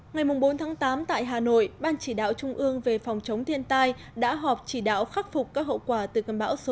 ngày bốn tháng tám tại hà nội ban chỉ đạo trung ương về phòng chống thiên tai đã họp chỉ đạo khắc phục các hậu quả từ cơn bão số năm